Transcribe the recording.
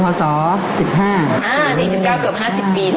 อ้าว๔๙กว่า๕๐ปี